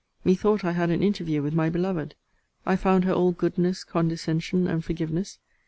'Methought I had an interview with my beloved. I found her all goodness, condescension, and forgiveness.